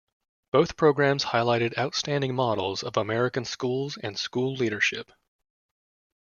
Both programs highlighted outstanding models of American schools and school leadership.